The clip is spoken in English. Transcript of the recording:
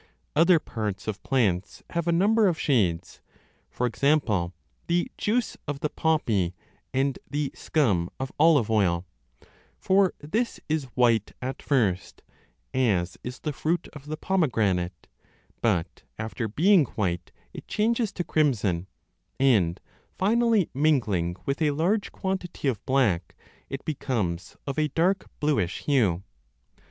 Other parts of plants have a number of shades, for example the juice of the poppy 25 and the scum of olive oil ; for this is white at first, as is the fruit of the pomegranate, but, after being white, 1 it changes to crimson, and finally mingling with a large quantity of black it becomes of a dark bluish hue.